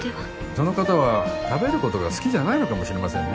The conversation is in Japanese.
その方は食べることが好きじゃないのかもしれませんね。